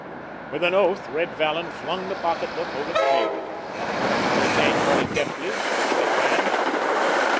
_" With an oath, Red Vallon flung the pocketbook over the table. Billy Kane caught it deftly with his left hand.